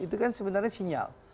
itu kan sebenarnya sinyal